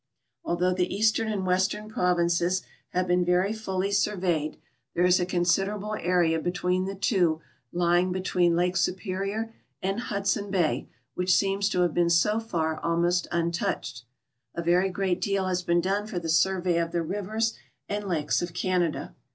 Although the eastern and western ])rovinces have been ver}^ fully survej'ed, there is a considerable area between the two lying be tween Lake Superior and Hudson bay which seems to have been so far almost untouched. A very great deal has been done for the survey of the rivers and lakes of Canada.